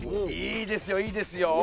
いいですよいいですよ。